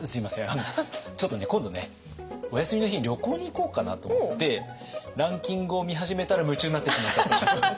あのちょっとね今度ねお休みの日に旅行に行こうかなと思ってランキングを見始めたら夢中になってしまったんです。